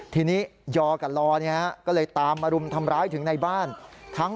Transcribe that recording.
ทีนี้ยอกับลอก็เลยตามมารุมทำร้ายถึงในบ้าน